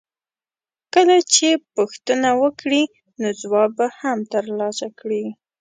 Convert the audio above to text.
کله چې پوښتنه وکړې نو ځواب به هم ترلاسه کړې.